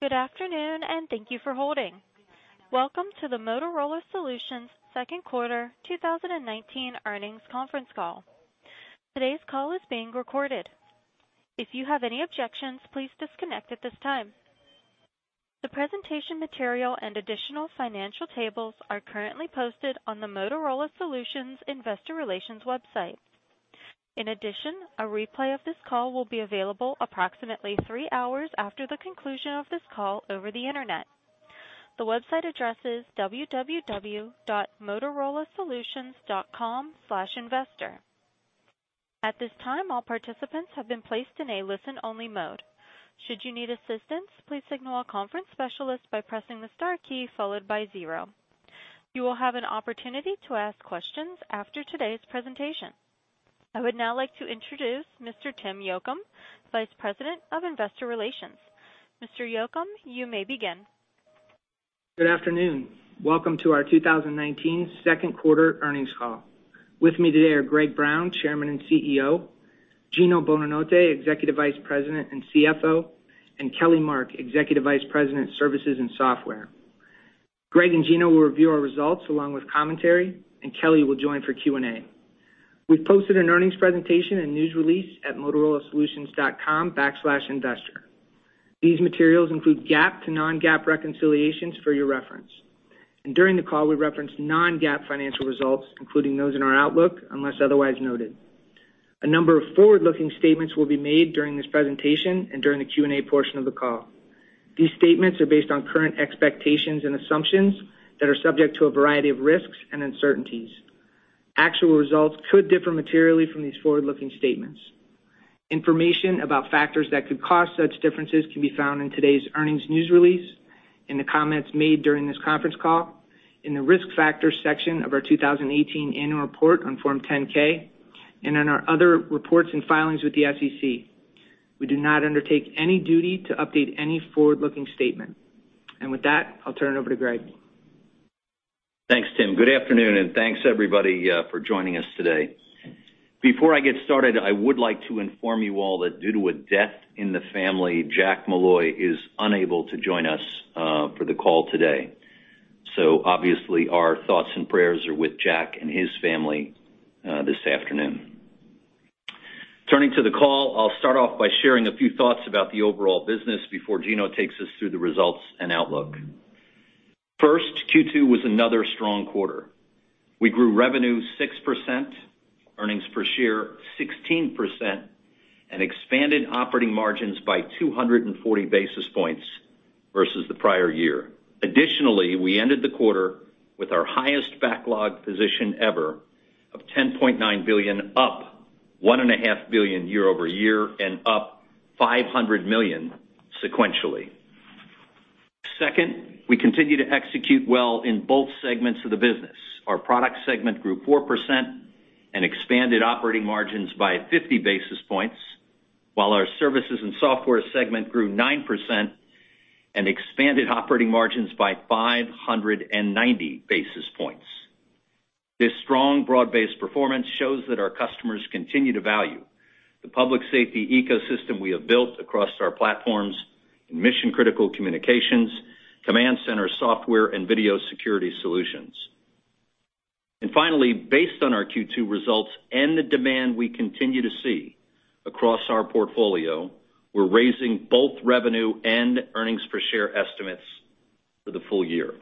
Good afternoon, and thank you for holding. Welcome to the Motorola Solutions Second Quarter 2019 earnings conference call. Today's call is being recorded. If you have any objections, please disconnect at this time. The presentation material and additional financial tables are currently posted on the Motorola Solutions investor relations website. In addition, a replay of this call will be available approximately 3 hours after the conclusion of this call over the Internet. The website address is www.motorolasolutions.com/investor. At this time, all participants have been placed in a listen-only mode. Should you need assistance, please signal a conference specialist by pressing the star key followed by zero. You will have an opportunity to ask questions after today's presentation. I would now like to introduce Mr. Tim Yocum, Vice President of Investor Relations. Mr. Yocum, you may begin. Good afternoon. Welcome to our 2019 second quarter earnings call. With me today are Greg Brown, Chairman and CEO, Gino Bonanotte, Executive Vice President and CFO, and Kelly Mark, Executive Vice President, Services and Software. Greg and Gino will review our results along with commentary, and Kelly will join for Q&A. We've posted an earnings presentation and news release at motorolasolutions.com/investor. These materials include GAAP to non-GAAP reconciliations for your reference. During the call, we reference non-GAAP financial results, including those in our outlook, unless otherwise noted. A number of forward-looking statements will be made during this presentation and during the Q&A portion of the call. These statements are based on current expectations and assumptions that are subject to a variety of risks and uncertainties. Actual results could differ materially from these forward-looking statements. Information about factors that could cause such differences can be found in today's earnings news release, in the comments made during this conference call, in the Risk Factors section of our 2018 annual report on Form 10-K, and in our other reports and filings with the SEC. We do not undertake any duty to update any forward-looking statement. With that, I'll turn it over to Greg. Thanks, Tim. Good afternoon, and thanks, everybody, for joining us today. Before I get started, I would like to inform you all that due to a death in the family, Jack Molloy is unable to join us, for the call today. So obviously, our thoughts and prayers are with Jack and his family, this afternoon. Turning to the call, I'll start off by sharing a few thoughts about the overall business before Gino takes us through the results and outlook. First, Q2 was another strong quarter. We grew revenue 6%, earnings per share 16%, and expanded operating margins by 240 basis points versus the prior year. Additionally, we ended the quarter with our highest backlog position ever of $10.9 billion, up $1.5 billion year-over-year and up $500 million sequentially. Second, we continue to execute well in both segments of the business. Our product segment grew 4% and expanded operating margins by 50 basis points, while our services and software segment grew 9% and expanded operating margins by 590 basis points. This strong, broad-based performance shows that our customers continue to value the public safety ecosystem we have built across our platforms in mission-critical communications, command center software, and video security solutions. And finally, based on our Q2 results and the demand we continue to see across our portfolio, we're raising both revenue and earnings per share estimates for the full year.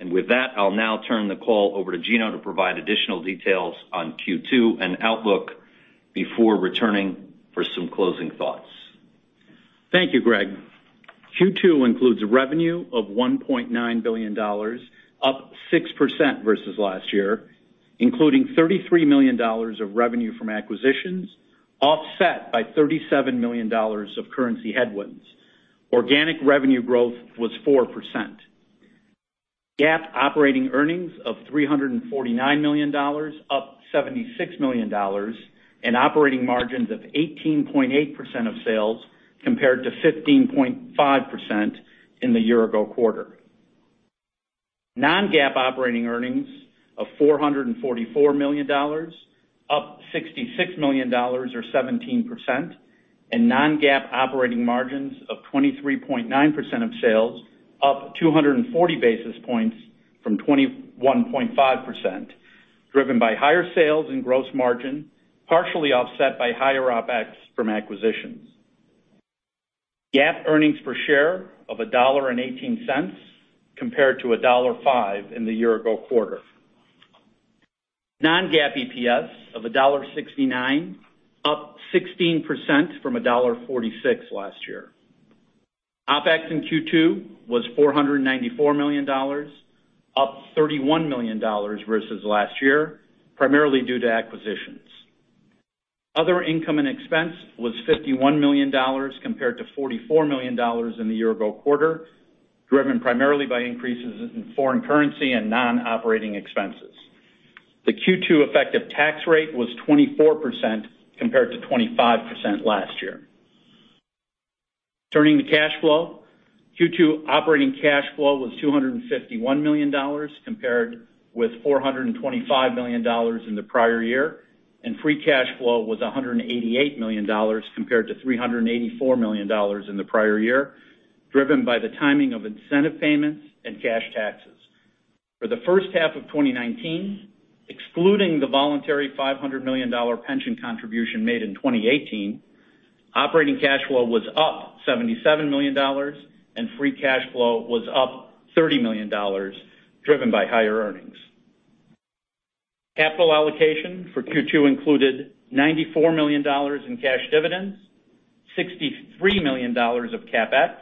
And with that, I'll now turn the call over to Gino to provide additional details on Q2 and outlook before returning for some closing thoughts. Thank you, Greg. Q2 includes a revenue of $1.9 billion, up 6% versus last year, including $33 million of revenue from acquisitions, offset by $37 million of currency headwinds. Organic revenue growth was 4%. GAAP operating earnings of $349 million, up $76 million, and operating margins of 18.8% of sales, compared to 15.5% in the year-ago quarter. Non-GAAP operating earnings of $444 million, up $66 million or 17%, and non-GAAP operating margins of 23.9% of sales, up 240 basis points from 21.5%, driven by higher sales and gross margin, partially offset by higher OpEx from acquisitions. GAAP earnings per share of $1.18, compared to $1.05 in the year-ago quarter. Non-GAAP EPS of $1.69, up 16% from $1.46 last year. OpEx in Q2 was $494 million, up $31 million versus last year, primarily due to acquisitions. Other income and expense was $51 million, compared to $44 million in the year-ago quarter, driven primarily by increases in foreign currency and non-operating expenses. The Q2 effective tax rate was 24%, compared to 25% last year. Turning to cash flow, Q2 operating cash flow was $251 million, compared with $425 million in the prior year, and free cash flow was $188 million compared to $384 million in the prior year, driven by the timing of incentive payments and cash taxes. For the first half of 2019, excluding the voluntary $500 million pension contribution made in 2018, operating cash flow was up $77 million, and free cash flow was up $30 million, driven by higher earnings. Capital allocation for Q2 included $94 million in cash dividends, $63 million of CapEx,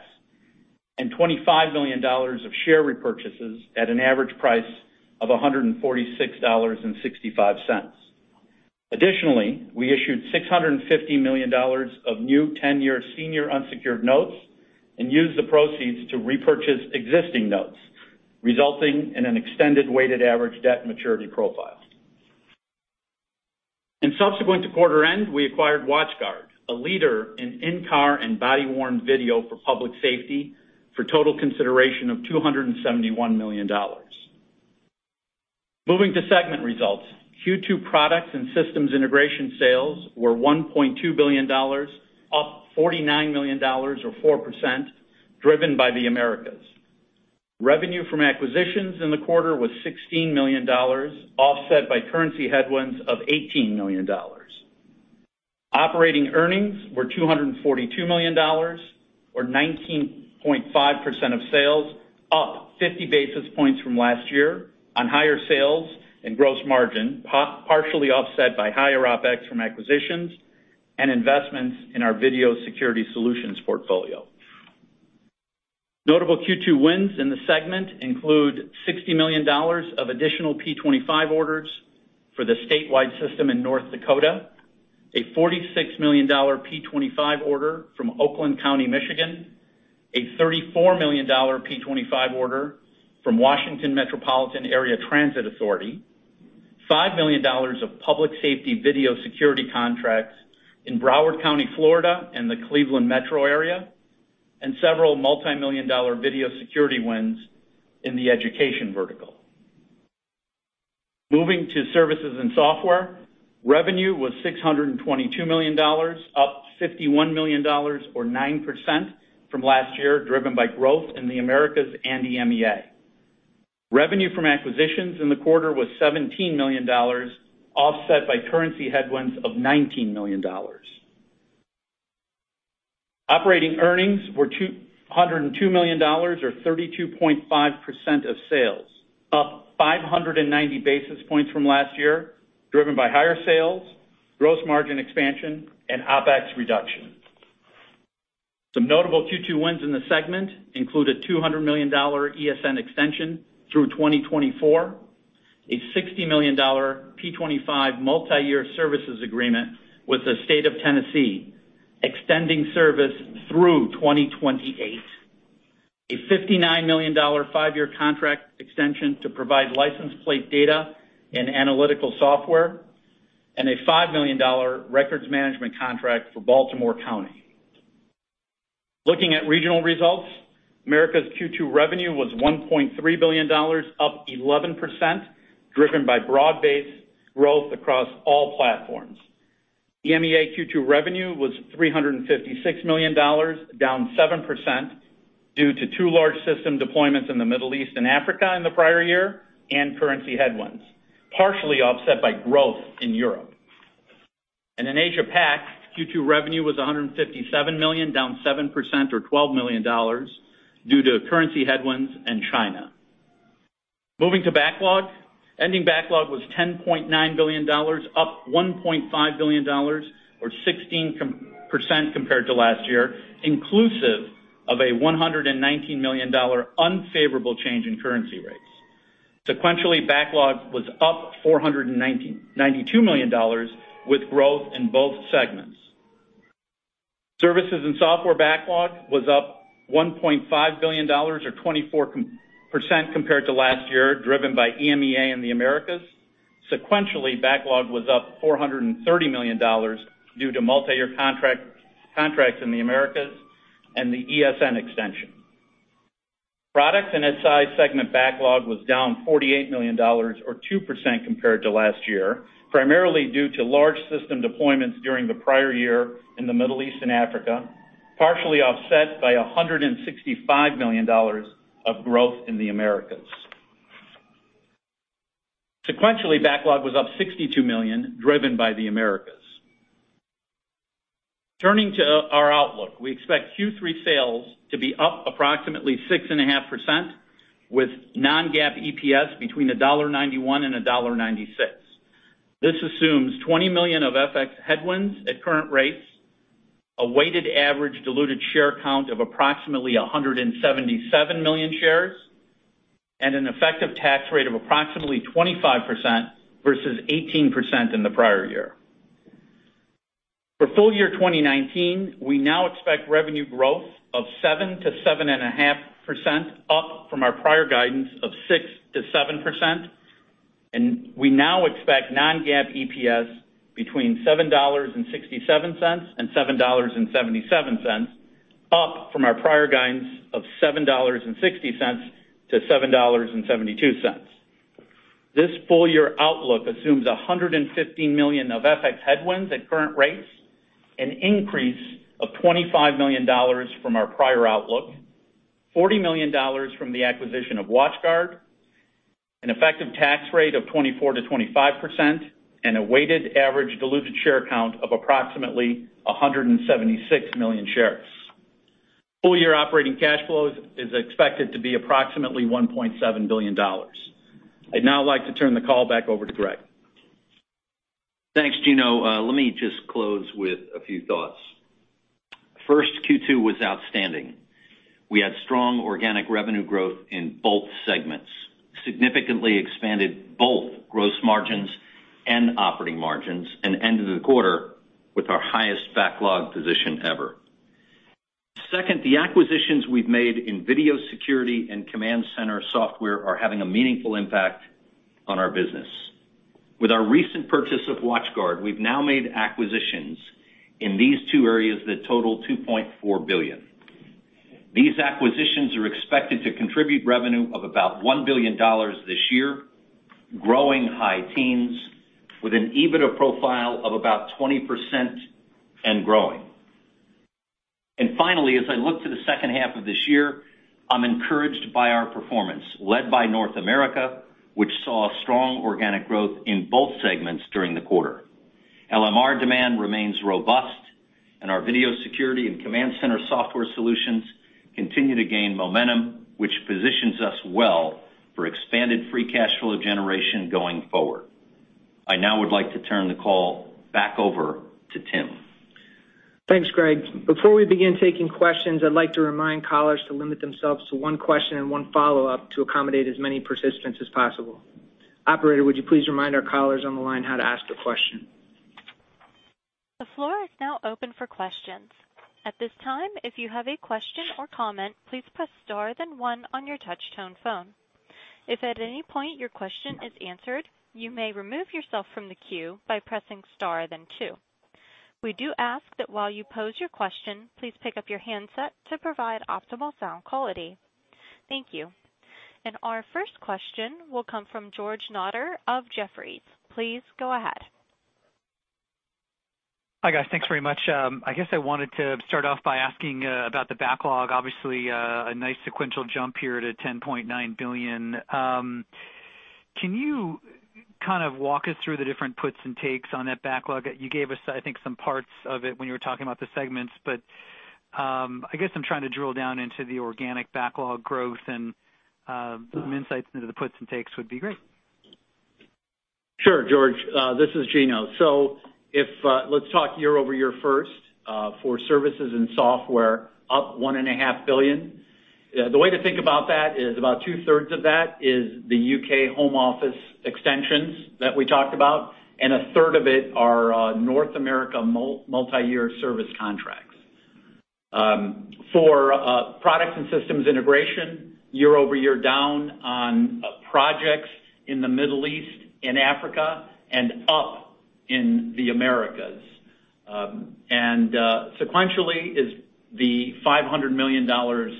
and $25 million of share repurchases at an average price of $146.65. Additionally, we issued $650 million of new ten-year senior unsecured notes and used the proceeds to repurchase existing notes, resulting in an extended weighted average debt maturity profile. Subsequent to quarter end, we acquired WatchGuard, a leader in in-car and body-worn video for public safety, for total consideration of $271 million. Moving to segment results, Q2 products and systems integration sales were $1.2 billion, up $49 million or 4%, driven by the Americas. Revenue from acquisitions in the quarter was $16 million, offset by currency headwinds of $18 million. Operating earnings were $242 million, or 19.5% of sales, up 50 basis points from last year on higher sales and gross margin, partially offset by higher OpEx from acquisitions and investments in our video security solutions portfolio. Notable Q2 wins in the segment include $60 million of additional P25 orders for the statewide system in North Dakota, a $46 million P25 order from Oakland County, Michigan, a $34 million P25 order from Washington Metropolitan Area Transit Authority, $5 million of public safety video security contracts in Broward County, Florida, and the Cleveland Metro area, and several multimillion-dollar video security wins in the education vertical. Moving to services and software, revenue was $622 million, up $51 million or 9% from last year, driven by growth in the Americas and EMEA. Revenue from acquisitions in the quarter was $17 million, offset by currency headwinds of $19 million. Operating earnings were $102 million, or 32.5% of sales, up 590 basis points from last year, driven by higher sales, gross margin expansion, and OpEx reduction. Some notable Q2 wins in the segment include a $200 million ESN extension through 2024, a $60 million P25 multiyear services agreement with the state of Tennessee, extending service through 2028, a $59 million five-year contract extension to provide license plate data and analytical software, and a $5 million records management contract for Baltimore County. Looking at regional results, Americas Q2 revenue was $1.3 billion, up 11%, driven by broad-based growth across all platforms. EMEA Q2 revenue was $356 million, down 7%, due to two large system deployments in the Middle East and Africa in the prior year and currency headwinds, partially offset by growth in Europe. In Asia-Pac, Q2 revenue was $157 million, down 7%, or $12 million, due to currency headwinds in China. Moving to backlog. Ending backlog was $10.9 billion, up $1.5 billion, or 16% compared to last year, inclusive of a $119 million unfavorable change in currency rates. Sequentially, backlog was up $92 million, with growth in both segments. Services and software backlog was up $1.5 billion, or 24% compared to last year, driven by EMEA and the Americas. Sequentially, backlog was up $430 million due to multiyear contracts in the Americas and the ESN extension. Products and SI segment backlog was down $48 million, or 2%, compared to last year, primarily due to large system deployments during the prior year in the Middle East and Africa, partially offset by $165 million of growth in the Americas. Sequentially, backlog was up $62 million, driven by the Americas. Turning to our outlook, we expect Q3 sales to be up approximately 6.5%, with non-GAAP EPS between $1.91 and $1.96. This assumes $20 million of FX headwinds at current rates, a weighted average diluted share count of approximately 177 million shares, and an effective tax rate of approximately 25%, versus 18% in the prior year. For full year 2019, we now expect revenue growth of 7%-7.5%, up from our prior guidance of 6%-7%, and we now expect non-GAAP EPS between $7.67 and $7.77 up from our prior guidance of $7.60-$7.72. This full year outlook assumes 150 million of FX headwinds at current rates, an increase of $25 million from our prior outlook, $40 million from the acquisition of WatchGuard, an effective tax rate of 24%-25%, and a weighted average diluted share count of approximately 176 million shares. Full year operating cash flows is expected to be approximately $1.7 billion. I'd now like to turn the call back over to Greg. Thanks, Gino. Let me just close with a few thoughts. First, Q2 was outstanding. We had strong organic revenue growth in both segments, significantly expanded both gross margins and operating margins, and ended the quarter with our highest backlog position ever. Second, the acquisitions we've made in video security and command center software are having a meaningful impact on our business. With our recent purchase of WatchGuard, we've now made acquisitions in these two areas that total $2.4 billion. These acquisitions are expected to contribute revenue of about $1 billion this year, growing high teens with an EBITDA profile of about 20% and growing. And finally, as I look to the second half of this year, I'm encouraged by our performance, led by North America, which saw strong organic growth in both segments during the quarter. LMR demand remains robust, and our video security and command center software solutions continue to gain momentum, which positions us well for expanded free cash flow generation going forward. I now would like to turn the call back over to Tim. Thanks, Greg. Before we begin taking questions, I'd like to remind callers to limit themselves to one question and one follow-up to accommodate as many participants as possible. Operator, would you please remind our callers on the line how to ask a question? The floor is now open for questions. At this time, if you have a question or comment, please press star then one on your touch tone phone. If at any point your question is answered, you may remove yourself from the queue by pressing star then two. We do ask that while you pose your question, please pick up your handset to provide optimal sound quality. Thank you. And our first question will come from George Notter of Jefferies. Please go ahead. Hi, guys. Thanks very much. I guess I wanted to start off by asking about the backlog. Obviously, a nice sequential jump here to $10.9 billion. Can you kind of walk us through the different puts and takes on that backlog? You gave us, I think, some parts of it when you were talking about the segments, but, I guess I'm trying to drill down into the organic backlog growth and, some insights into the puts and takes would be great. Sure, George, this is Gino. So if... Let's talk year-over-year first, for services and software, up $1.5 billion. The way to think about that is about two-thirds of that is the U.K. Home Office extensions that we talked about, and a third of it are North America multi-year service contracts. For products and systems integration, year-over-year, down on projects in the Middle East and Africa and up in the Americas. And sequentially is the $500 million of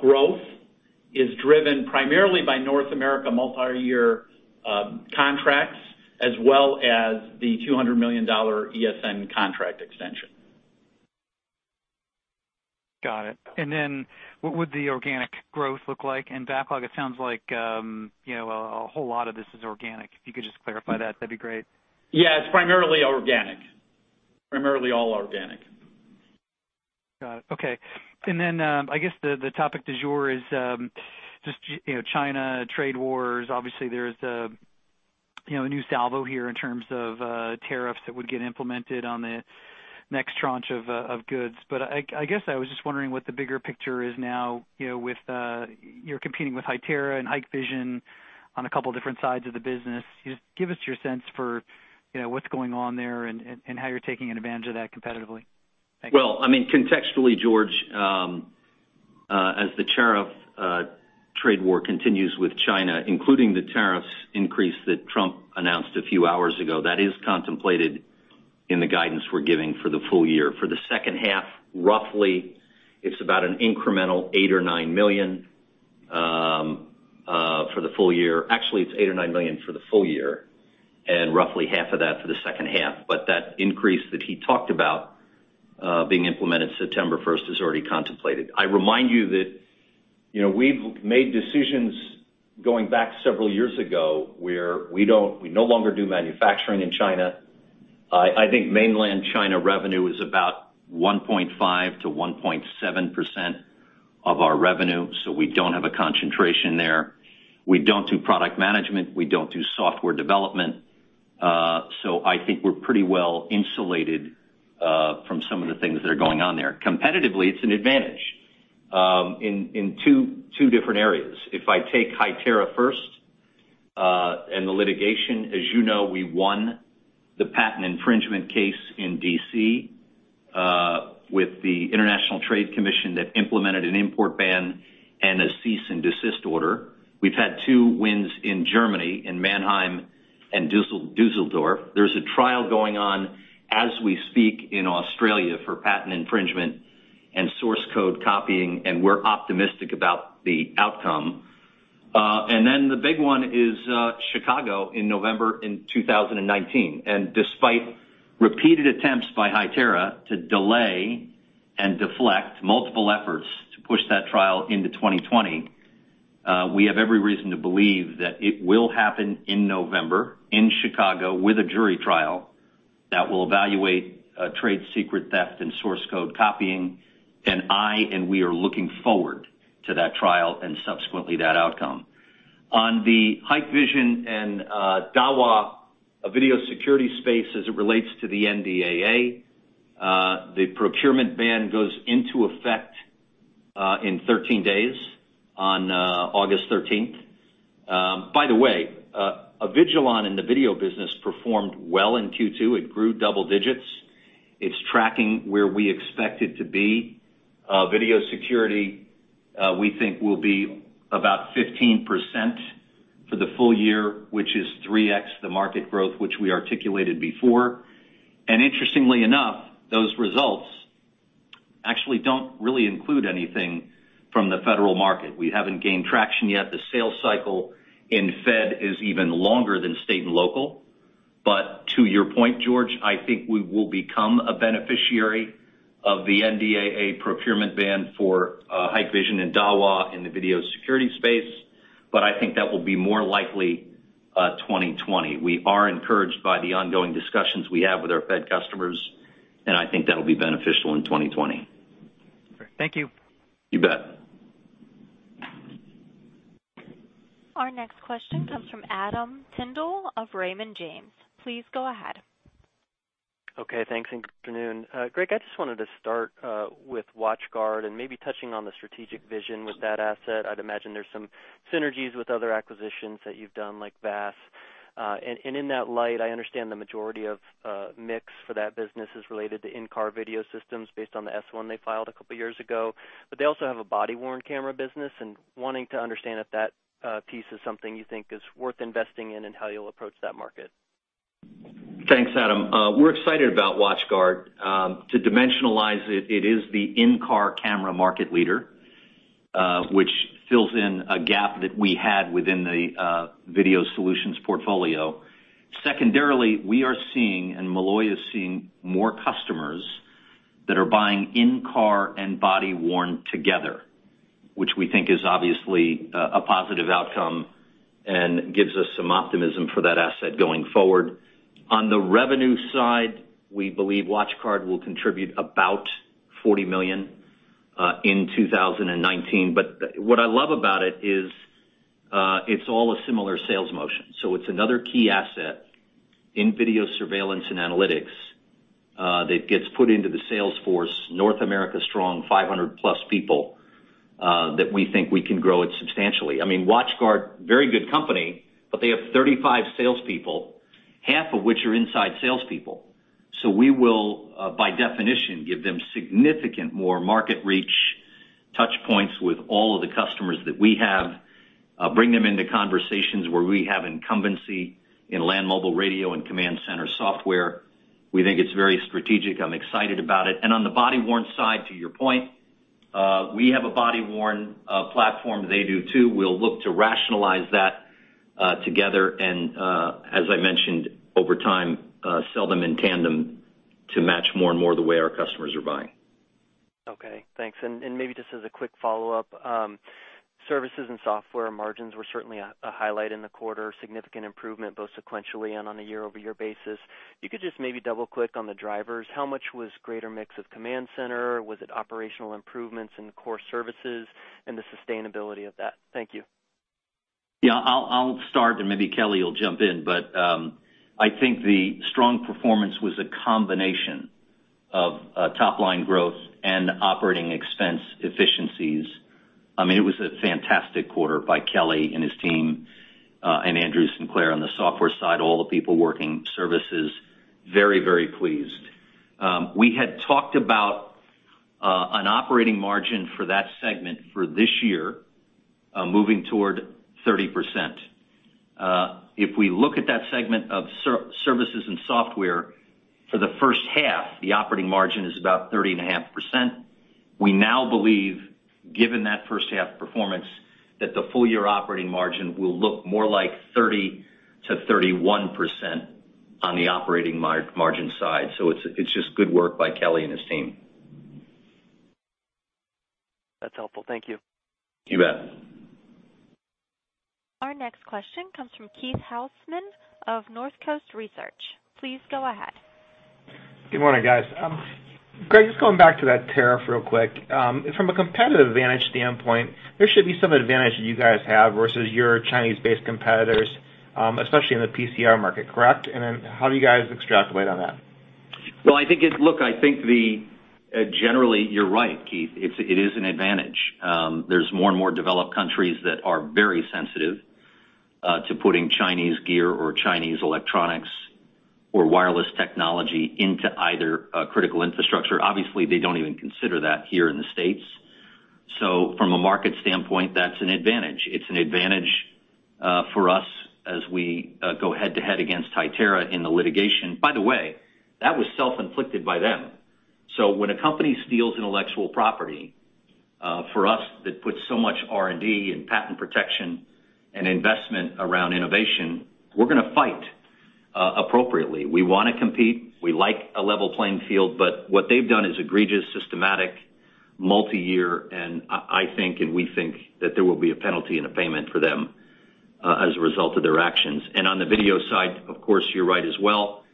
growth is driven primarily by North America multiyear contracts, as well as the $200 million ESN contract extension. Got it. And then what would the organic growth look like? In backlog, it sounds like, you know, a whole lot of this is organic. If you could just clarify that, that'd be great. Yeah, it's primarily organic. Primarily all organic. Got it. Okay. And then, I guess the topic du jour is just, you know, China, trade wars. Obviously, there's a, you know, a new salvo here in terms of tariffs that would get implemented on the next tranche of goods. But I guess I was just wondering what the bigger picture is now, you know, with you're competing with Hytera and Hikvision on a couple different sides of the business. Just give us your sense for, you know, what's going on there and how you're taking advantage of that competitively. Thank you. Well, I mean, contextually, George, as the tariff trade war continues with China, including the tariffs increase that Trump announced a few hours ago, that is contemplated in the guidance we're giving for the full year. For the second half, roughly, it's about an incremental $8 million-$9 million for the full year. Actually, it's $8 million-$9 million for the full year and roughly half of that for the second half, but that increase that he talked about being implemented September first is already contemplated. I remind you that, you know, we've made decisions going back several years ago, where we don't - we no longer do manufacturing in China. I think mainland China revenue is about 1.5%-1.7% of our revenue, so we don't have a concentration there. We don't do product management, we don't do software development, so I think we're pretty well insulated from some of the things that are going on there. Competitively, it's an advantage in two different areas. If I take Hytera first, and the litigation, as you know, we won the patent infringement case in D.C., with the International Trade Commission that implemented an import ban and a cease and desist order. We've had two wins in Germany, in Mannheim and Düsseldorf. There's a trial going on as we speak in Australia for patent infringement and source code copying, and we're optimistic about the outcome. And then the big one is Chicago, in November 2019. Despite repeated attempts by Hytera to delay and deflect multiple efforts to push that trial into 2020, we have every reason to believe that it will happen in November, in Chicago, with a jury trial that will evaluate trade secret theft and source code copying. And I, and we, are looking forward to that trial and subsequently, that outcome. On the Hikvision and Dahua video security space as it relates to the NDAA, the procurement ban goes into effect in 13 days, on August 13. By the way, Avigilon in the video business performed well in Q2. It grew double digits. It's tracking where we expect it to be. Video security, we think will be about 15% for the full year, which is 3x the market growth, which we articulated before. Interestingly enough, those results actually don't really include anything from the federal market. We haven't gained traction yet. The sales cycle in Fed is even longer than state and local. But to your point, George, I think we will become a beneficiary of the NDAA procurement ban for Hikvision and Dahua in the video security space, but I think that will be more likely 2020. We are encouraged by the ongoing discussions we have with our Fed customers, and I think that'll be beneficial in 2020. Thank you. You bet. Our next question comes from Adam Tindle of Raymond James. Please go ahead. Okay, thanks, and good afternoon. Greg, I just wanted to start with WatchGuard and maybe touching on the strategic vision with that asset. I'd imagine there's some synergies with other acquisitions that you've done, like VaaS. And, and in that light, I understand the majority of mix for that business is related to in-car video systems based on the S-1 they filed a couple years ago, but they also have a body-worn camera business, and wanting to understand if that piece is something you think is worth investing in and how you'll approach that market. Thanks, Adam. We're excited about WatchGuard. To dimensionalize it, it is the in-car camera market leader, which fills in a gap that we had within the video solutions portfolio. Secondarily, we are seeing, and Molloy is seeing, more customers that are buying in-car and body-worn together, which we think is obviously a positive outcome and gives us some optimism for that asset going forward. On the revenue side, we believe WatchGuard will contribute about $40 million in 2019. But what I love about it is, it's all a similar sales motion. So it's another key asset in video surveillance and analytics that gets put into the sales force, North America strong, 500-plus people that we think we can grow it substantially. I mean, WatchGuard, very good company, but they have 35 salespeople, half of which are inside salespeople. So we will, by definition, give them significant more market reach, touch points with all of the customers that we have, bring them into conversations where we have incumbency in land mobile radio and command center software. We think it's very strategic. I'm excited about it. And on the body-worn side, to your point, we have a body-worn platform. They do, too. We'll look to rationalize that, together and, as I mentioned, over time, sell them in tandem to match more and more the way our customers are buying. Okay, thanks. And maybe just as a quick follow-up, services and software margins were certainly a highlight in the quarter, significant improvement, both sequentially and on a year-over-year basis. You could just maybe double-click on the drivers. How much was greater mix of command center? Was it operational improvements in the core services and the sustainability of that? Thank you. Yeah, I'll start, and maybe Kelly will jump in. But I think the strong performance was a combination of top-line growth and operating expense efficiencies. I mean, it was a fantastic quarter by Kelly and his team, and Andrew Sinclair on the software side, all the people working services, very, very pleased. We had talked about an operating margin for that segment for this year moving toward 30%. If we look at that segment of services and software for the first half, the operating margin is about 30.5%. We now believe, given that first half performance, that the full year operating margin will look more like 30%-31% on the operating margin side. So it's just good work by Kelly and his team. That's helpful. Thank you. You bet. Our next question comes from Keith Housum of Northcoast Research. Please go ahead. Good morning, guys. Greg, just going back to that tariff real quick. From a competitive advantage standpoint, there should be some advantage that you guys have versus your Chinese-based competitors, especially in the PCR market, correct? And then how do you guys extrapolate on that? Well, I think it-- Look, I think the generally, you're right, Keith. It is an advantage. There's more and more developed countries that are very sensitive to putting Chinese gear or Chinese electronics or wireless technology into either critical infrastructure. Obviously, they don't even consider that here in the States. So from a market standpoint, that's an advantage. It's an advantage for us as we go head-to-head against Hytera in the litigation. By the way, that was self-inflicted by them. So when a company steals intellectual property, for us, that puts so much R&D and patent protection and investment around innovation, we're gonna fight appropriately. We wanna compete, we like a level playing field, but what they've done is egregious, systematic, multi-year, and I think and we think that there will be a penalty and a payment for them, as a result of their actions. And on the video side, of course, you're right as well,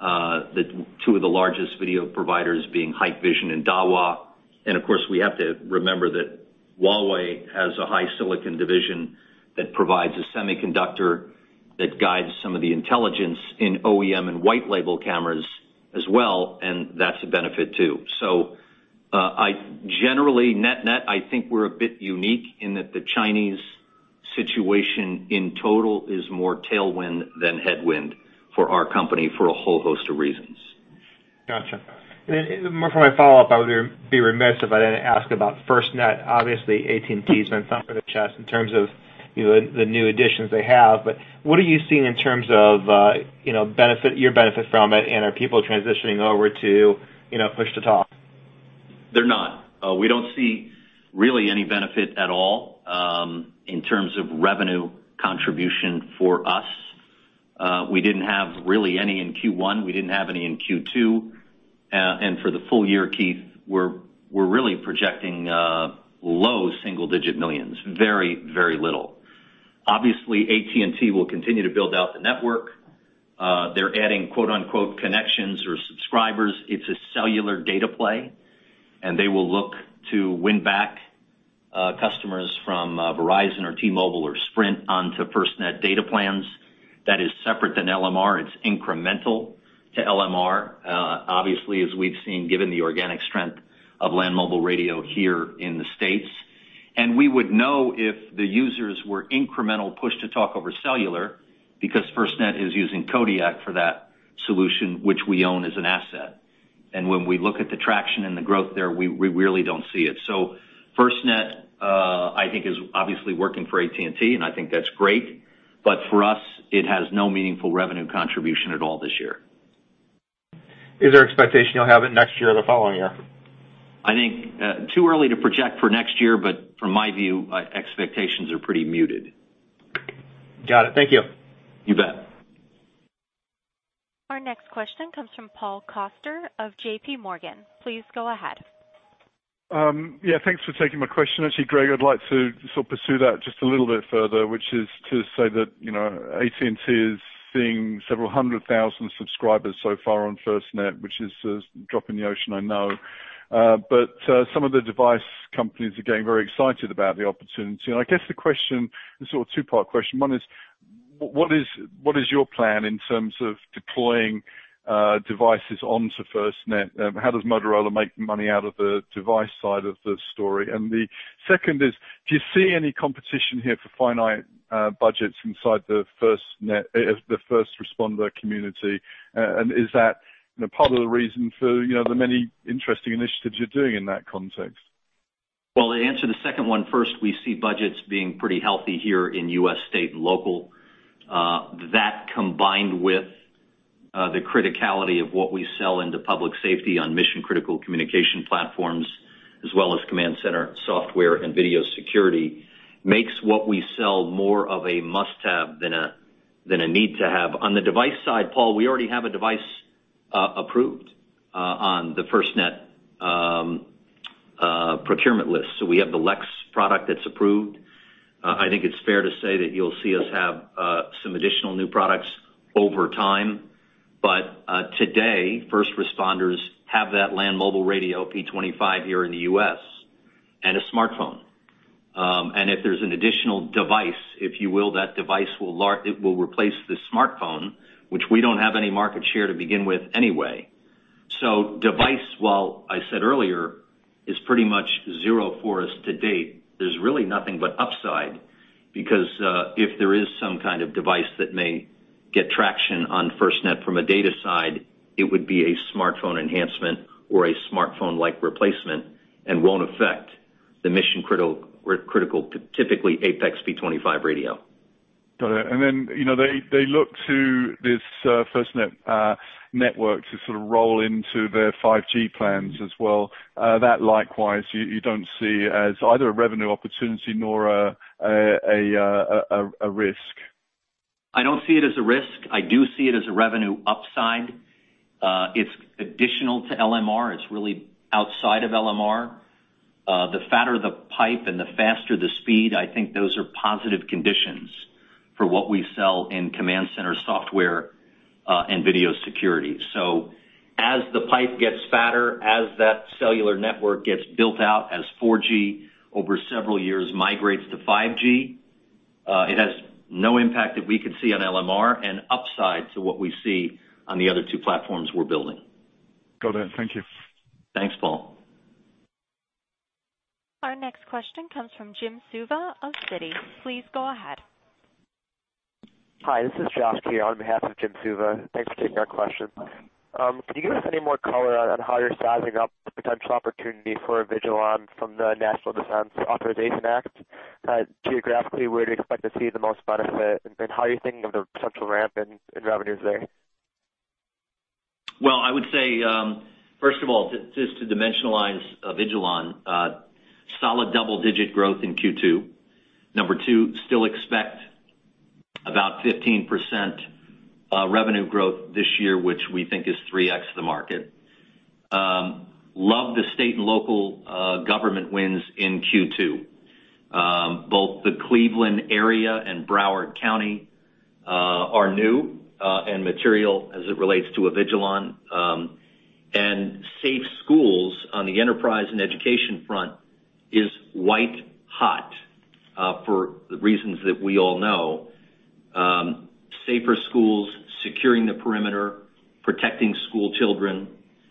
that two of the largest video providers being Hikvision and Dahua, and of course, we have to remember that Huawei has a HiSilicon division that provides a semiconductor that guides some of the intelligence in OEM and white label cameras as well, and that's a benefit too. So, I generally, net-net, I think we're a bit unique in that the Chinese situation in total is more tailwind than headwind for our company for a whole host of reasons. Gotcha. And then, and more for my follow-up, I would be remiss if I didn't ask about FirstNet. Obviously, AT&T's been thumped on the chest in terms of, you know, the new additions they have, but what are you seeing in terms of, you know, benefit, your benefit from it, and are people transitioning over to, you know, push to talk? They're not. We don't see really any benefit at all in terms of revenue contribution for us. We didn't have really any in Q1. We didn't have any in Q2. And for the full year, Keith, we're really projecting low single-digit millions. Very, very little. Obviously, AT&T will continue to build out the network. They're adding, quote-unquote, "Connections or subscribers." It's a cellular data play, and they will look to win back customers from Verizon or T-Mobile or Sprint onto FirstNet data plans. That is separate than LMR. It's incremental to LMR, obviously, as we've seen, given the organic strength of land mobile radio here in the States. And we would know if the users were incremental push to talk over cellular, because FirstNet is using Kodiak for that solution, which we own as an asset. When we look at the traction and the growth there, we really don't see it. So FirstNet, I think is obviously working for AT&T, and I think that's great. But for us, it has no meaningful revenue contribution at all this year. Is there expectation you'll have it next year or the following year? I think, too early to project for next year, but from my view, expectations are pretty muted. Got it. Thank you. You bet. Our next question comes from Paul Coster of JPMorgan. Please go ahead. Yeah, thanks for taking my question. Actually, Greg, I'd like to sort of pursue that just a little bit further, which is to say that, you know, AT&T is seeing several hundred thousand subscribers so far on FirstNet, which is a drop in the ocean, I know. But some of the device companies are getting very excited about the opportunity. And I guess the question, the sort of two-part question, one is: What is your plan in terms of deploying devices onto FirstNet? How does Motorola make money out of the device side of the story? And the second is: Do you see any competition here for finite budgets inside the FirstNet, the first responder community? And is that, you know, part of the reason for, you know, the many interesting initiatives you're doing in that context? Well, to answer the second one first, we see budgets being pretty healthy here in U.S. state and local. That combined with the criticality of what we sell into public safety on mission-critical communication platforms, as well as command center software and video security, makes what we sell more of a must-have than a need to have. On the device side, Paul, we already have a device approved on the FirstNet procurement list. So we have the LEX product that's approved. I think it's fair to say that you'll see us have some additional new products over time. But today, first responders have that land mobile radio, P25, here in the U.S. and a smartphone. And if there's an additional device, if you will, that device will replace the smartphone, which we don't have any market share to begin with anyway. So device, while I said earlier, is pretty much zero for us to date, there's really nothing but upside, because if there is some kind of device that may get traction on FirstNet from a data side, it would be a smartphone enhancement or a smartphone-like replacement and won't affect the mission-critical, typically, APX P25 radio. Got it. And then, you know, they look to this FirstNet network to sort of roll into their 5G plans as well. That likewise, you don't see as either a revenue opportunity nor a risk? I don't see it as a risk. I do see it as a revenue upside. It's additional to LMR. It's really outside of LMR. The fatter the pipe and the faster the speed, I think those are positive conditions for what we sell in command center software, and video security. So as the pipe gets fatter, as that cellular network gets built out, as 4G over several years migrates to 5G, it has no impact that we could see on LMR and upside to what we see on the other two platforms we're building. Got it. Thank you. Thanks, Paul. Our next question comes from Jim Suva of Citi. Please go ahead. Hi, this is Josh Kehoe on behalf of Jim Suva. Thanks for taking our question. Can you give us any more color on how you're sizing up the potential opportunity for Avigilon from the National Defense Authorization Act? Geographically, where do you expect to see the most benefit, and how are you thinking of the potential ramp in revenues there? Well, I would say, first of all, just to dimensionalize Avigilon, solid double-digit growth in Q2. Number two, still expect about 15%, revenue growth this year, which we think is 3x the market. Love the state and local, government wins in Q2. Both the Cleveland area and Broward County, are new, and material as it relates to Avigilon. And safe schools on the enterprise and education front is white hot, for the reasons that we all know. Safer schools, securing the perimeter, protecting school children,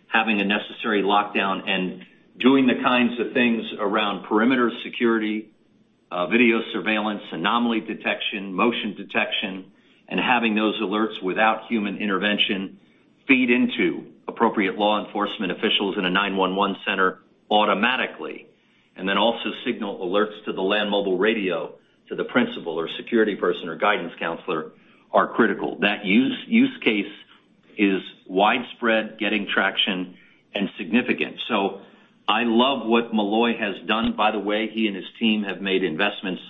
having a necessary lockdown, and doing the kinds of things around perimeter security, video surveillance, anomaly detection, motion detection, and having those alerts without human intervention feed into appropriate law enforcement officials in a 911 center automatically, and then also signal alerts to the land mobile radio to the principal, or security person, or guidance counselor are critical. That use case is widespread, getting traction, and significant. So I love what Molloy has done. By the way, he and his team have made investments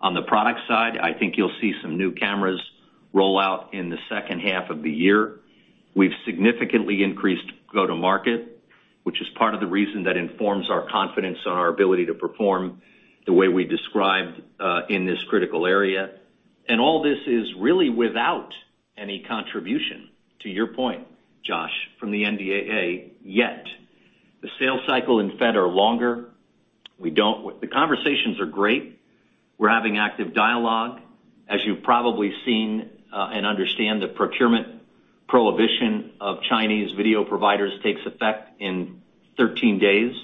on the product side. I think you'll see some new cameras roll out in the second half of the year. We've significantly increased go-to-market, which is part of the reason that informs our confidence on our ability to perform the way we described in this critical area. And all this is really without any contribution, to your point, Josh, from the NDAA, yet. The sales cycle in Fed are longer. The conversations are great. We're having active dialogue. As you've probably seen, and understand, the procurement prohibition of Chinese video providers takes effect in 13 days,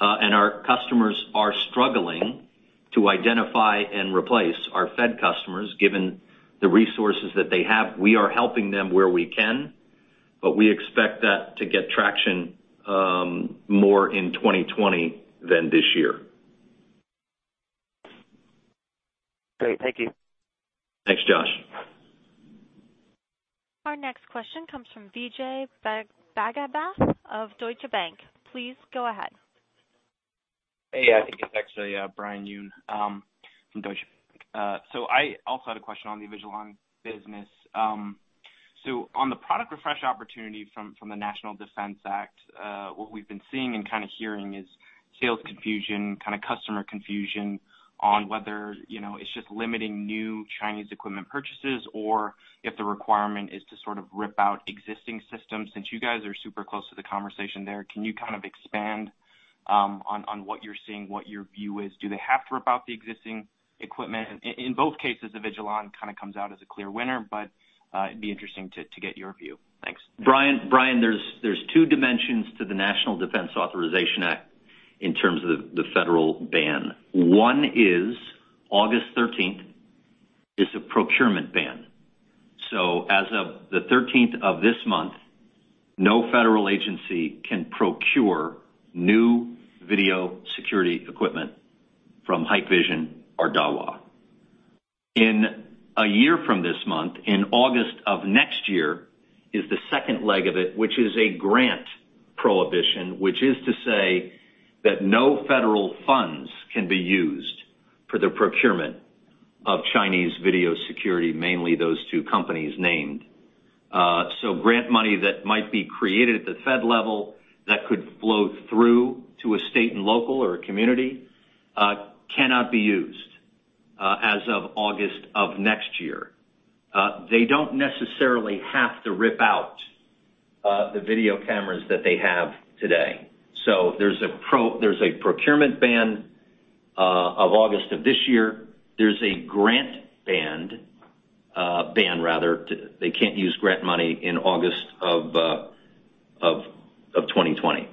and our customers are struggling to identify and replace our Fed customers, given the resources that they have. We are helping them where we can, but we expect that to get traction, more in 2020 than this year. Great. Thank you. Thanks, Josh. Our next question comes from Vijay Bhagavath of Deutsche Bank. Please go ahead. Hey, I think it's actually, Brian Yun, from Deutsche Bank. So I also had a question on the Avigilon business. So on the product refresh opportunity from, from the National Defense Act, what we've been seeing and kind of hearing is sales confusion, kind of customer confusion on whether, you know, it's just limiting new Chinese equipment purchases or if the requirement is to sort of rip out existing systems. Since you guys are super close to the conversation there, can you kind of expand, on what you're seeing, what your view is? Do they have to rip out the existing equipment? In both cases, Avigilon kind of comes out as a clear winner, but, it'd be interesting to get your view. Thanks. Brian, there's two dimensions to the National Defense Authorization Act in terms of the federal ban. One is August 13th is a procurement ban. So as of the 13th of this month, no federal agency can procure new video security equipment from Hikvision or Dahua. In a year from this month, in August of next year, is the second leg of it, which is a grant prohibition, which is to say that no federal funds can be used for the procurement of Chinese video security, mainly those two companies named. So grant money that might be created at the Fed level that could flow through to a state and local or a community cannot be used as of August of next year. They don't necessarily have to rip out the video cameras that they have today. So there's a procurement ban of August of this year. There's a grant ban rather. They can't use grant money in August of 2020.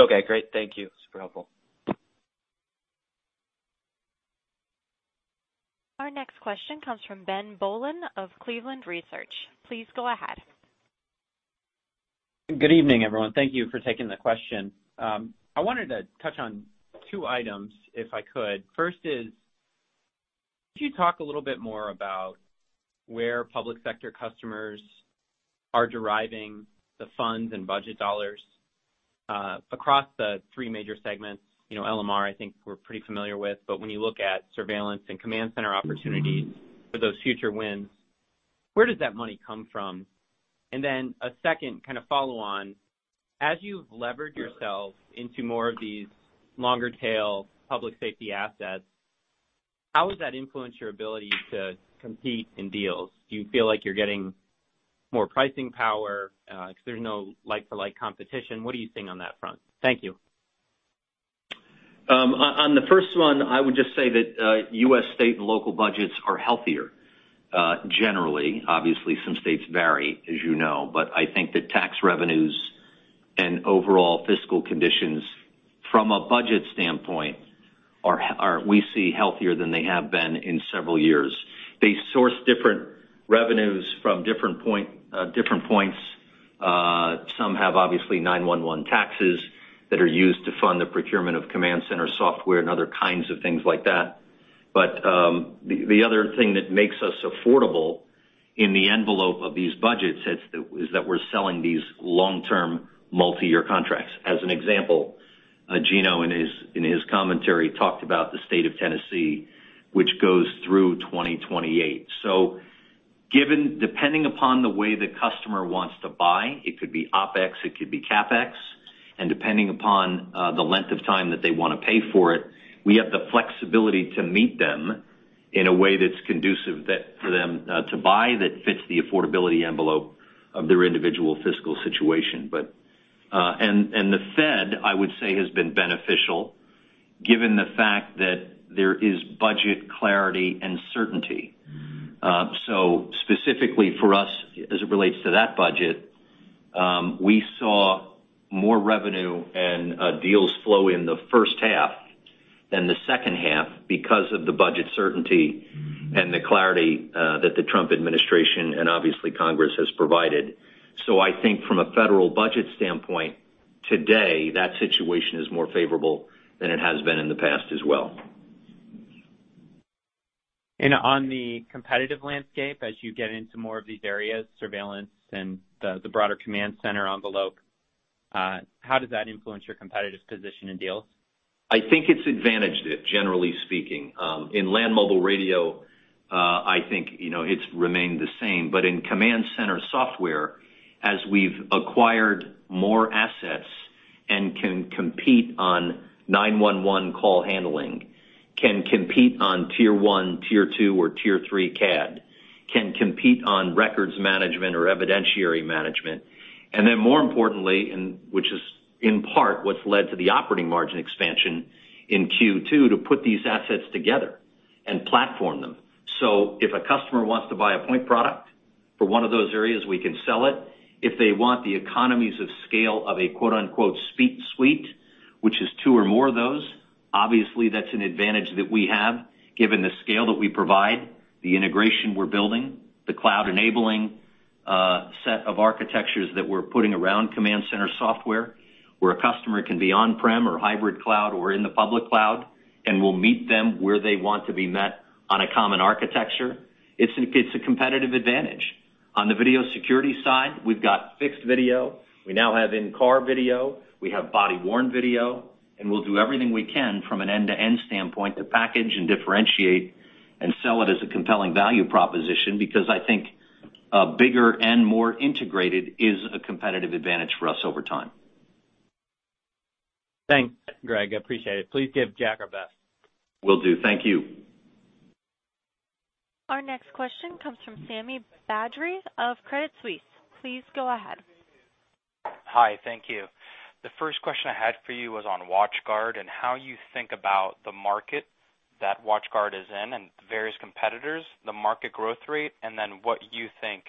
Okay, great. Thank you. Super helpful. Our next question comes from Ben Bollin of Cleveland Research. Please go ahead. Good evening, everyone. Thank you for taking the question. I wanted to touch on two items, if I could. First is, could you talk a little bit more about where public sector customers are deriving the funds and budget dollars, across the three major segments? You know, LMR, I think we're pretty familiar with, but when you look at surveillance and command center opportunities for those future wins, where does that money come from? And then a second kind of follow-on: As you've levered yourselves into more of these longer tail public safety assets, how does that influence your ability to compete in deals? Do you feel like you're getting more pricing power, because there's no like-for-like competition? What are you seeing on that front? Thank you. On the first one, I would just say that U.S. state and local budgets are healthier, generally. Obviously, some states vary, as you know, but I think that tax revenues and overall fiscal conditions from a budget standpoint are, we see, healthier than they have been in several years. They source different revenues from different points. Some have obviously 911 taxes that are used to fund the procurement of command center software and other kinds of things like that. But the other thing that makes us affordable in the envelope of these budgets is that we're selling these long-term, multiyear contracts. As an example, Gino, in his commentary, talked about the state of Tennessee, which goes through 2028. So given, depending upon the way the customer wants to buy, it could be OpEx, it could be CapEx, and depending upon the length of time that they wanna pay for it, we have the flexibility to meet them in a way that's conducive that, for them, to buy, that fits the affordability envelope of their individual fiscal situation. But—and the Fed, I would say, has been beneficial given the fact that there is budget clarity and certainty. So specifically for us, as it relates to that budget, we saw more revenue and deals flow in the first half than the second half because of the budget certainty and the clarity that the Trump administration and obviously Congress has provided. I think from a federal budget standpoint, today, that situation is more favorable than it has been in the past as well. On the competitive landscape, as you get into more of these areas, surveillance and the broader command center envelope, how does that influence your competitive position in deals? I think it's advantaged it, generally speaking. In land mobile radio, I think, you know, it's remained the same. But in command center software, as we've acquired more assets and can compete on 911 call handling, can compete on tier one, tier two, or tier three CAD, can compete on records management or evidentiary management, and then, more importantly, and which is, in part, what's led to the operating margin expansion in Q2, to put these assets together and platform them. So if a customer wants to buy a point product for one of those areas, we can sell it. If they want the economies of scale of a quote, unquote, "suite," which is two or more of those, obviously, that's an advantage that we have, given the scale that we provide, the integration we're building, the cloud-enabling set of architectures that we're putting around command center software, where a customer can be on-prem or hybrid cloud or in the public cloud, and we'll meet them where they want to be met on a common architecture. It's a, it's a competitive advantage. On the video security side, we've got fixed video. We now have in-car video, we have body-worn video, and we'll do everything we can from an end-to-end standpoint to package and differentiate and sell it as a compelling value proposition because I think bigger and more integrated is a competitive advantage for us over time. Thanks, Greg. I appreciate it. Please give Jack our best. Will do. Thank you. Our next question comes from Sami Badri of Credit Suisse. Please go ahead. Hi, thank you. The first question I had for you was on WatchGuard and how you think about the market that WatchGuard is in and the various competitors, the market growth rate, and then what you think,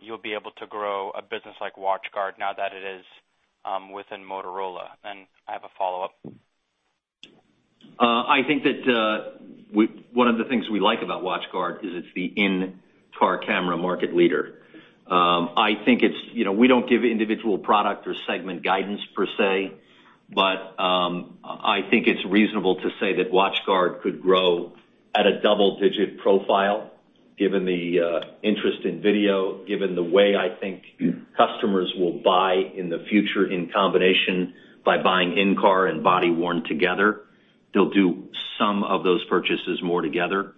you'll be able to grow a business like WatchGuard now that it is, within Motorola. I have a follow-up. I think that, one of the things we like about WatchGuard is it's the in-car camera market leader. I think it's, you know, we don't give individual product or segment guidance per se, but, I think it's reasonable to say that WatchGuard could grow at a double-digit profile, given the interest in video, given the way I think customers will buy in the future in combination by buying in-car and body-worn together. They'll do some of those purchases more together.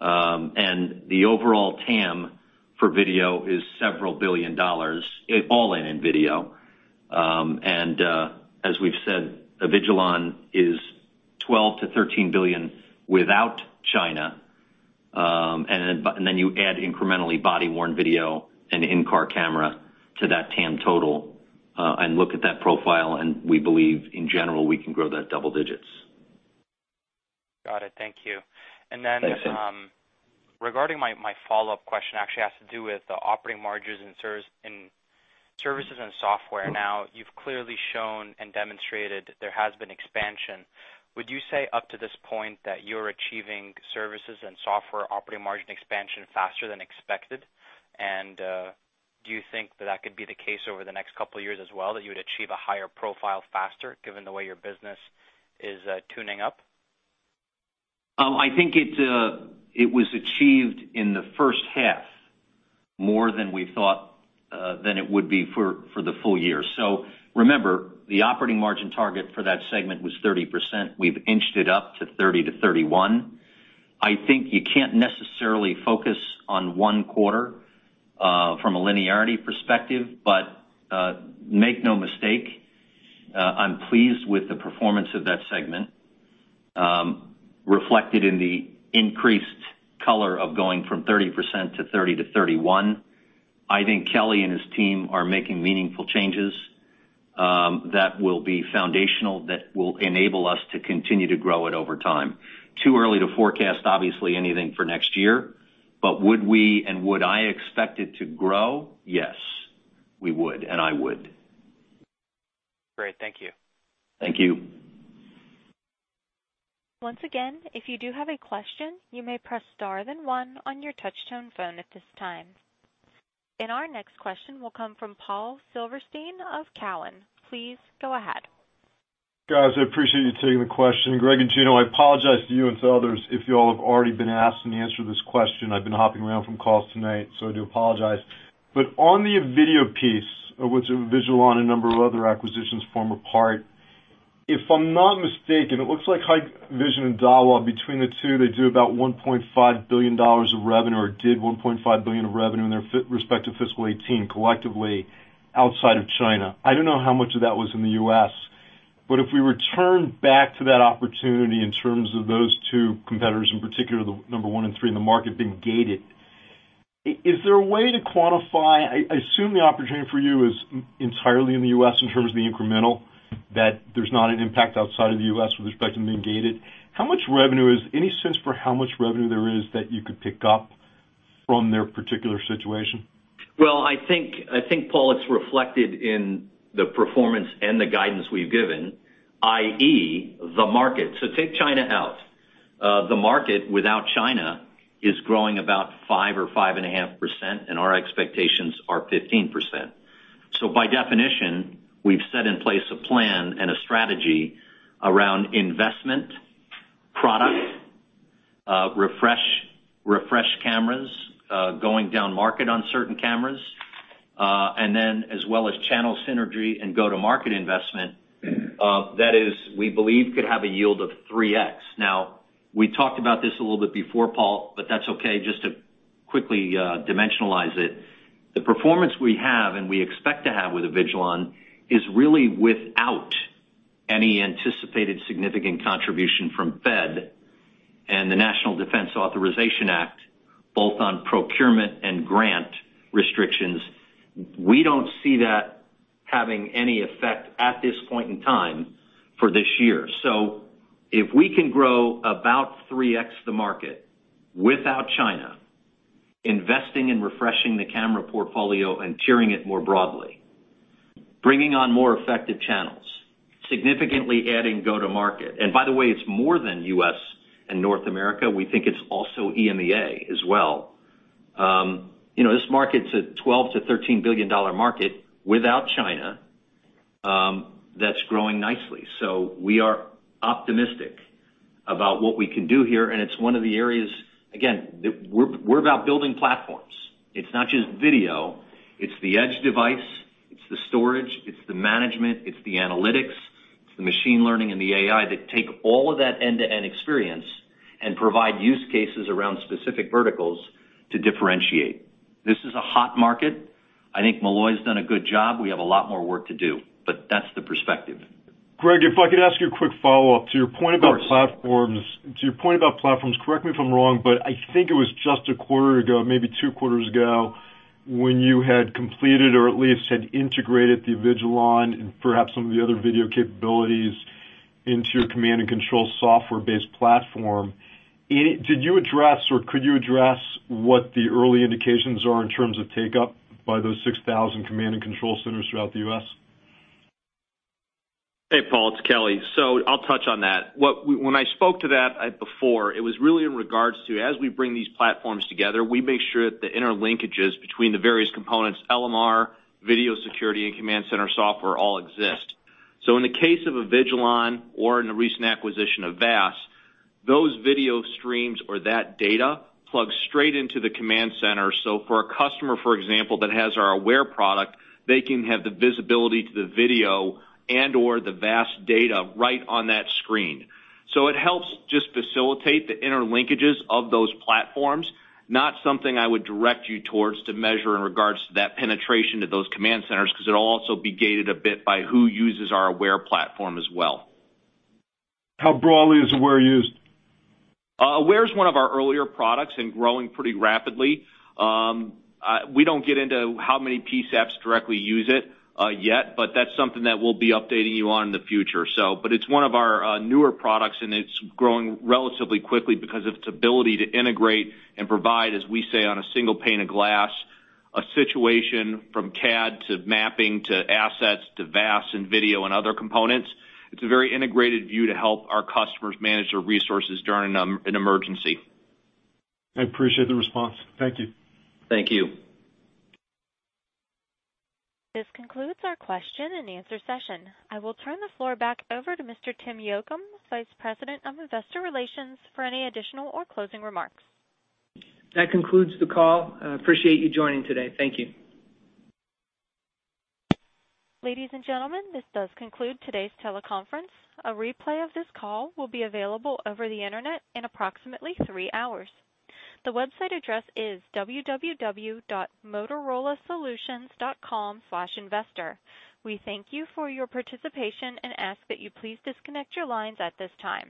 The overall TAM for video is several billion dollars, all in, in video. As we've said, Avigilon is $12 billion-$13 billion without China, and then you add incrementally body-worn video and in-car camera to that TAM total, and look at that profile, and we believe, in general, we can grow that double digits. Got it. Thank you. Thanks. Then, regarding my follow-up question, actually has to do with the operating margins in services and software. Now, you've clearly shown and demonstrated there has been expansion. Would you say, up to this point, that you're achieving services and software operating margin expansion faster than expected? And, do you think that that could be the case over the next couple of years as well, that you would achieve a higher profile faster, given the way your business is tuning up? I think it was achieved in the first half more than we thought than it would be for the full year. So remember, the operating margin target for that segment was 30%. We've inched it up to 30%-31%. I think you can't necessarily focus on one quarter from a linearity perspective, but make no mistake, I'm pleased with the performance of that segment reflected in the increased color of going from 30% to 30%-31%. I think Kelly and his team are making meaningful changes that will be foundational, that will enable us to continue to grow it over time. Too early to forecast, obviously, anything for next year. But would we, and would I expect it to grow? Yes, we would, and I would. Great. Thank you. Thank you. Once again, if you do have a question, you may press star, then one on your touch-tone phone at this time. Our next question will come from Paul Silverstein of Cowen. Please go ahead. Guys, I appreciate you taking the question. Greg and Gino, I apologize to you and to others if you all have already been asked and answered this question. I've been hopping around from calls tonight, so I do apologize. But on the video piece, of which Avigilon and a number of other acquisitions form a part, if I'm not mistaken, it looks like Hikvision and Dahua, between the two, they do about $1.5 billion of revenue, or did $1.5 billion of revenue in their respective fiscal 2018, collectively, outside of China. I don't know how much of that was in the U.S., but if we return back to that opportunity in terms of those two competitors, in particular, the number one and three in the market being gated, is there a way to quantify, I assume the opportunity for you is entirely in the U.S. in terms of the incremental, that there's not an impact outside of the U.S. with respect to being gated. How much revenue is there? Any sense for how much revenue there is that you could pick up from their particular situation? Well, I think, I think, Paul, it's reflected in the performance and the guidance we've given, i.e., the market. So take China out. The market without China is growing about 5% or 5.5%, and our expectations are 15%. So by definition, we've set in place a plan and a strategy around investment, product refresh, refresh cameras, going down market on certain cameras, and then as well as channel synergy and go-to-market investment, that is, we believe, could have a yield of 3x. Now, we talked about this a little bit before, Paul, but that's okay. Just to quickly dimensionalize it, the performance we have and we expect to have with Avigilon is really without any anticipated significant contribution from FED and the National Defense Authorization Act, both on procurement and grant restrictions. We don't see that having any effect at this point in time for this year. So if we can grow about 3x the market without China, investing in refreshing the camera portfolio and tiering it more broadly, bringing on more effective channels, significantly adding go-to-market. And by the way, it's more than U.S. and North America. We think it's also EMEA as well. You know, this market's a $12 billion-$13 billion market without China, that's growing nicely. So we are optimistic about what we can do here, and it's one of the areas, again, that we're about building platforms. It's not just video, it's the edge device, it's the storage, it's the management, it's the analytics, it's the machine learning and the AI that take all of that end-to-end experience and provide use cases around specific verticals to differentiate. This is a hot market. I think Molloy's done a good job. We have a lot more work to do, but that's the perspective. Greg, if I could ask you a quick follow-up. Of course. To your point about platforms, to your point about platforms, correct me if I'm wrong, but I think it was just a quarter ago, maybe two quarters ago, when you had completed or at least had integrated the Avigilon and perhaps some of the other video capabilities into your command and control software-based platform. A- did you address, or could you address what the early indications are in terms of take-up by those 6,000 command and control centers throughout the U.S.? Hey, Paul, it's Kelly. So I'll touch on that. When I spoke to that before, it was really in regards to, as we bring these platforms together, we make sure that the interlinkages between the various components, LMR, video security, and command center software all exist. So in the case of Avigilon or in the recent acquisition of VaaS, those video streams or that data plugs straight into the command center. So for a customer, for example, that has our Aware product, they can have the visibility to the video and/or the VaaS data right on that screen. So it helps just facilitate the interlinkages of those platforms, not something I would direct you towards to measure in regards to that penetration to those command centers, because it'll also be gated a bit by who uses our Aware platform as well. How broadly is Aware used? Aware is one of our earlier products and growing pretty rapidly. We don't get into how many PSAPs directly use it yet, but that's something that we'll be updating you on in the future. So, but it's one of our newer products, and it's growing relatively quickly because of its ability to integrate and provide, as we say, on a single pane of glass, a situation from CAD to mapping to assets to VaaS and video and other components. It's a very integrated view to help our customers manage their resources during an emergency. I appreciate the response. Thank you. Thank you. This concludes our question and answer session. I will turn the floor back over to Mr. Tim Yocum, Vice President of Investor Relations, for any additional or closing remarks. That concludes the call. I appreciate you joining today. Thank you. Ladies and gentlemen, this does conclude today's teleconference. A replay of this call will be available over the Internet in approximately three hours. The website address is www.motorolasolutions.com/investor. We thank you for your participation and ask that you please disconnect your lines at this time.